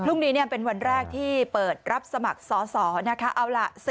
พรุ่งนี้เป็นวันแรกที่เปิดรับสมัครสอสอนะคะ